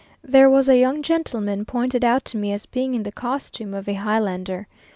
There was a young gentleman pointed out to me as being in the costume of a Highlander!